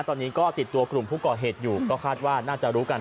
ตอนนี้ก็ติดตัวกลุ่มผู้ก่อเหตุอยู่ก็คาดว่าน่าจะรู้กัน